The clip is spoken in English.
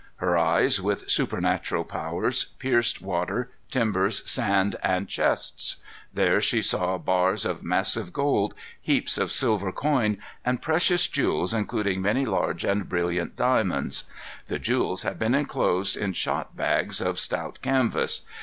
Her eyes, with supernatural powers, pierced water, timbers, sand, and chests. There she saw bars of massive gold, heaps of silver coin, and precious jewels including many large and brilliant diamonds. The jewels had been enclosed in shot bags of stout canvas.